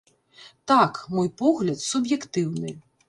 Так, мой погляд суб'ектыўны.